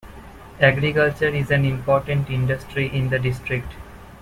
Agriculture is an important industry in the district.